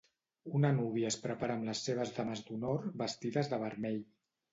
Una núvia es prepara amb les seves dames d'honor vestides de vermell.